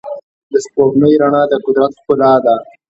د سپوږمۍ رڼا د قدرت ښکلا ده.